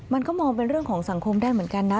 มันก็มองเป็นเรื่องของสังคมได้เหมือนกันนะ